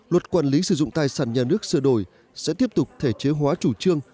luật quản lý sử dụng tài sản nhà nước sửa đổi sẽ tiếp tục thể chế hóa chủ trương